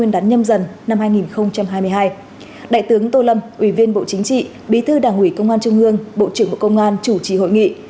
đại tướng tô lâm ủy viên bộ chính trị bí thư đảng ủy công an trung ương bộ trưởng bộ công an chủ trì hội nghị